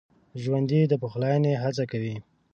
ژوندي د پخلاينې هڅه کوي